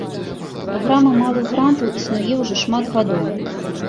Праграма малых грантаў існуе ўжо шмат гадоў.